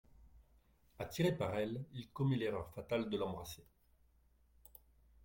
Attiré par elle, il commet l'erreur fatale de l'embrasser.